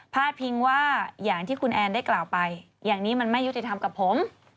พิงว่าอย่างที่คุณแอนได้กล่าวไปอย่างนี้มันไม่ยุติธรรมกับผม